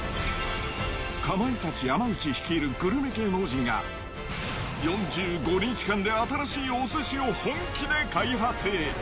かまいたち・山内率いるグルメ芸能人が、４５日間で新しいお寿司を本気で開発。